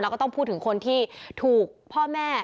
แล้วก็ต้องพูดถึงคนที่ถูกพ่อแม่